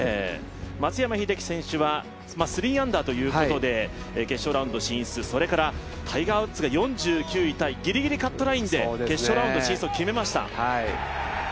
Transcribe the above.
松山英樹選手は３アンダーということで決勝ラウンド進出、それからタイガー・ウッズが４９位タイぎりぎりカットラインで決勝ラウンド進出を決めました。